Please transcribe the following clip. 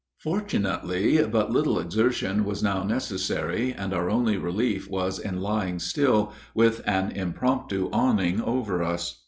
Fortunately, but little exertion was now necessary, and our only relief was in lying still, with an impromptu awning over us.